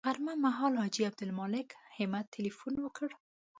غرمه مهال حاجي عبدالمالک همت تیلفون وکړ.